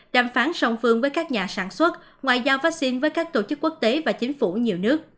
đàm phán song phương với các nhà sản xuất ngoại giao vaccine với các tổ chức quốc tế và chính phủ nhiều nước